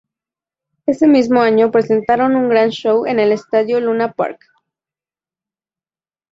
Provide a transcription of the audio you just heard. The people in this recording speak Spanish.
Ese mismo año presentaron un gran show en el Estadio Luna Park.